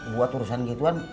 buat urusan gituan